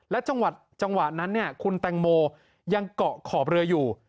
จังหวะนั้นคุณแตงโมยังเกาะขอบเรืออยู่